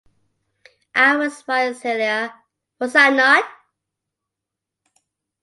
I was right, Celia, was I not?